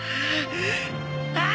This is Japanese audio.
ああ！